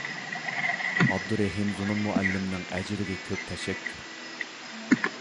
ئابدۇرېھىم زۇنۇن مۇئەللىمنىڭ ئەجرىگە كۆپ تەشەككۈر!